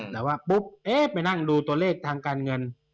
แต่ว่าปุ๊บไปนั่งดูตัวเลขทางการเงิน